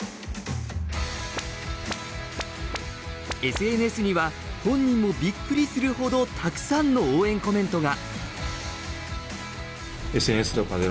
ＳＮＳには本人もびっくりする程たくさんの応援コメントが。